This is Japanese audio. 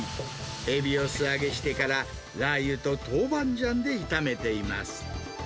エビを素揚げしてから、ラー油とトウバンジャンで炒めています。